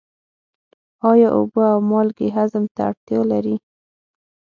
آیا اوبه او مالګې هضم ته اړتیا لري؟